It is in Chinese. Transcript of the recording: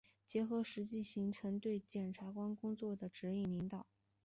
结合实际形成对检察工作的指导、引领